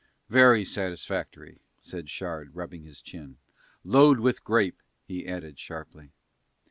"Very satisfactory," said Shard rubbing his chin. "Load with grape," he added sharply.